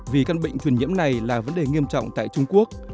vì căn bệnh truyền nhiễm này là vấn đề nghiêm trọng tại trung quốc